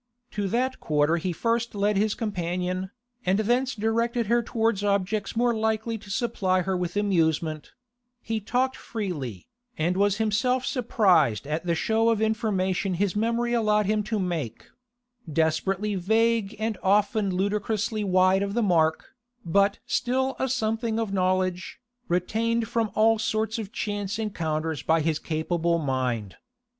To that quarter he first led his companion, and thence directed her towards objects more likely to supply her with amusement; he talked freely, and was himself surprised at the show of information his memory allowed him to make—desperately vague and often ludicrously wide of the mark, but still a something of knowledge, retained from all sorts of chance encounters by his capable mind.